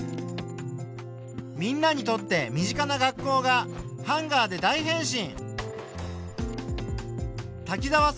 みんなにとって身近な学校がハンガーで大変身！